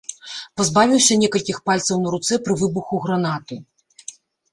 Пазбавіўся некалькіх пальцаў на руцэ пры выбуху гранаты.